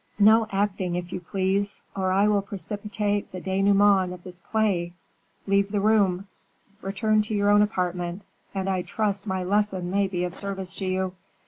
"No acting, if you please, or I will precipitate the denouement of this play; leave the room; return to your own apartment, and I trust my lesson may be of service to you."